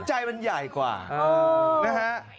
ใจมันใหญ่กว่านะฮะ